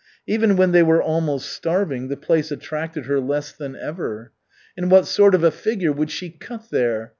Even when they were almost starving the place attracted her less than ever. And what sort of a figure would she cut there?